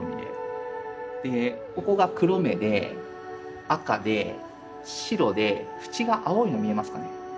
でここが黒目で赤で白で縁が青いの見えますかね？